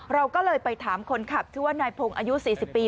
เราก็เลยไปถามคนขับชื่อว่านายพงศ์อายุ๔๐ปี